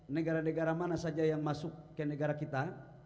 negara negara mana saja yang masuk ke negara kita